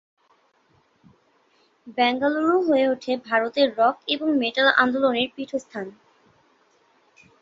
বেঙ্গালুরু হয়ে ওঠে ভারতে রক এবং মেটাল আন্দোলনের পীঠস্থান।